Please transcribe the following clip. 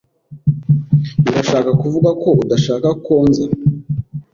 Urashaka kuvuga ko udashaka ko nza?